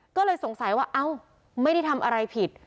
ก็เลยสงสัยว่าเอ้าไม่ได้ทำอะไรผิด